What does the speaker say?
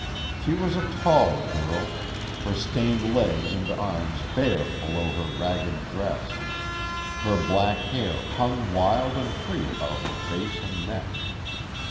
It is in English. She was a tall girl, her stained legs and arms bare below her ragged dress, her black hair hung wild and free about her face and neck.